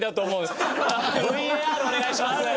ＶＡＲお願いします！